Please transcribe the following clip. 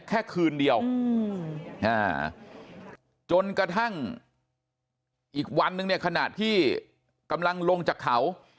แค่คืนเดียวจนกระทั่งอีกวันนึงเนี่ยขณะที่กำลังลงจากเขา